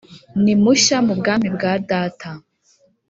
ni munshya mu bwami bwa Data